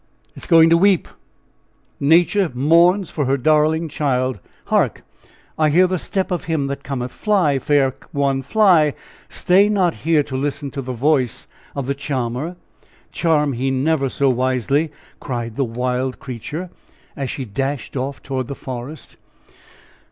"It is going to weep! Nature mourns for her darling child! Hark! I hear the step of him that cometh! Fly, fair one! fly! Stay not here to listen to the voice of the charmer, charm he never so wisely!" cried the wild creature, as she dashed off toward the forest.